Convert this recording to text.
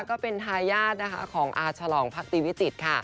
ก็เป็นทายาทนะคะของอาฉลองพักตีวิจิตรค่ะ